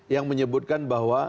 yang menyebutkan bahwa